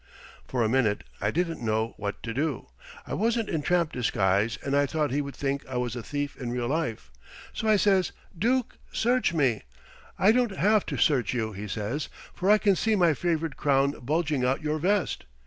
"For a minute I didn't know what to do. I wasn't in tramp disguise and I thought he would think I was a thief in real life, so I says, 'Dook, search me!' 'I don't have to search you,' he says, 'for I can see my favorite crown bulging out your vest.'